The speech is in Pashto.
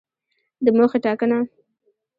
د موخې ټاکنه